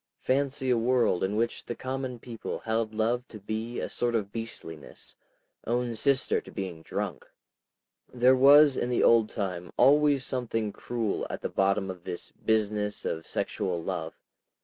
Fancy a world in which the common people held love to be a sort of beastliness, own sister to being drunk! ... There was in the old time always something cruel at the bottom of this business of sexual love.